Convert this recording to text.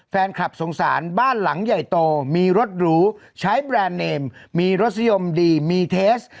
แฟนคลับสงสารบ้านหลังใหญ่โตมีรถหรูใช้แบรนด์เนมมีรสนิยมดีมีเทส